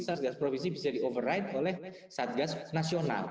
satgas provinsi bisa di overde oleh satgas nasional